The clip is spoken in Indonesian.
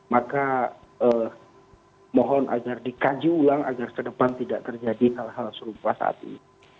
maka mohon agar dikaji ulang agar ke depan tidak terjadi hal hal serupa saat ini